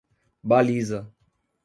Baliza